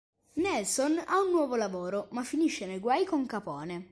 Nelson ha un nuovo lavoro ma finisce nei guai con Capone.